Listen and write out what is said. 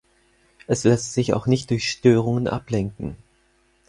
Es lässt sich auch nicht durch Störungen ablenken.